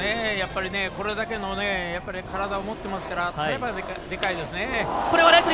これだけの体を持っていますからかなりでかいですね。